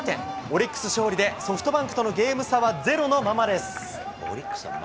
オリックス勝利で、ソフトバンクとのゲーム差は０のままです。